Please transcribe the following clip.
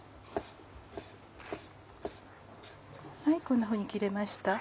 こんなふうに切れました。